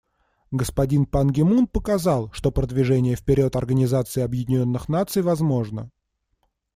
Господин Пан Ги Мун показал, что продвижение вперед Организации Объединенных Наций возможно.